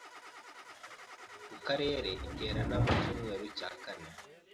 Ku Karere iterana mu cyumweru cya kane